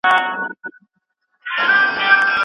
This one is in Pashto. موږ د هغوی ارزښت له پامه نه غورځوو.